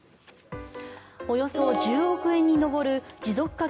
およそ１０億円に上る持続化